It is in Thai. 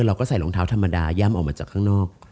เราก็ใส่รองเท้าธรรมดาย่ำออกมาจากข้างนอก